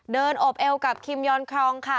เดินโอบเอลกับคิมยอนคลองค่ะ